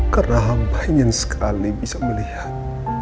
karena hamba ingin sekali bisa melihat